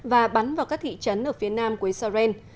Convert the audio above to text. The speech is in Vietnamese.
và bắn vào các thị trấn ở phía nam của israel